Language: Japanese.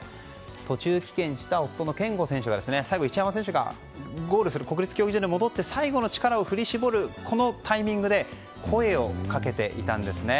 途中棄権した夫の健吾選手が最後、一山選手がゴールする国立競技場に戻って最後の力を振り絞るこのタイミングで声をかけていたんですね。